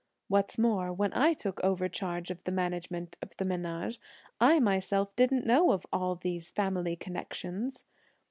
What's more, when I took over charge of the management of the menage, I myself didn't know of all these family connections!